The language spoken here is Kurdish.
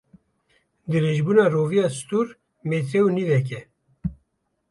Dirêjbûna roviya stûr metre û nîvek e.